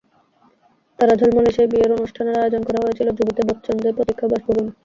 তারা ঝলমলে সেই বিয়ের অনুষ্ঠানের আয়োজন করা হয়েছিল জুহুতে, বচ্চনদের প্রতীক্ষা বাসভবনে।